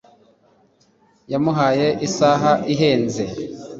yamuhaye isaha ihenze